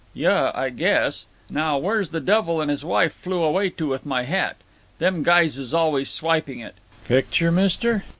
"Yuh, I guess—Now where's the devil and his wife flew away to with my hat? Them guys is always swiping it. Picture, mister?